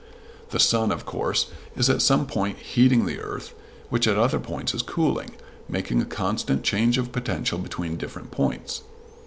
The sun, of course, is at some point heating the earth, which at other points is cooling, making a constant change of potential between different points.